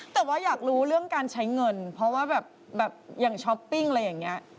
แต่ว่าอยากรู้เรื่องการใช้เงินเพราะว่าแบบอย่างช้อปปิ้งอะไรอย่างนี้